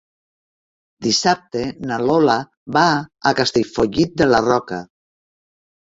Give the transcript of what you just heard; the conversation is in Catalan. Dissabte na Lola va a Castellfollit de la Roca.